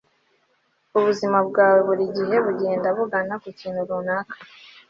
ubuzima bwawe buri gihe bugenda bugana ku kintu runaka